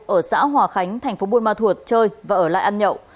ở xã hòa khánh tp buôn ma thuột chơi và ở lại ăn nhậu